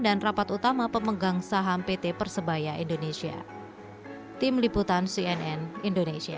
dan rapat utama pemegang saham pt persebaya indonesia tim liputan cnn indonesia